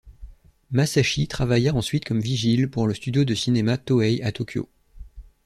Masashi travailla ensuite comme vigile pour le studio de cinéma Toei à Tokyo.